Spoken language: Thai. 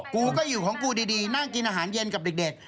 กูก็อยู่ของกูดีนั่งกินอาหารเย็นกับเด็ก